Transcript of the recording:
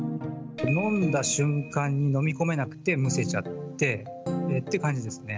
飲んだ瞬間に飲み込めなくて、むせちゃってって感じですね。